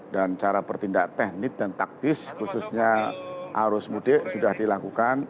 dan cara pertindak teknik dan taktis khususnya arus mudik sudah dilakukan